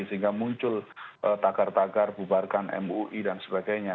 sehingga muncul takar takar bubarkan mui dan sebagainya